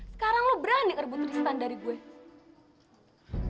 sekarang kamu berani ngerebut tristan dari saya